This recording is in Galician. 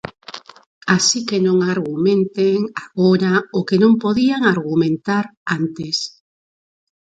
Así que non argumenten agora o que non podían argumentar antes.